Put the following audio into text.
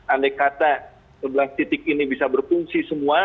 andai kata sebelas titik ini bisa berfungsi semua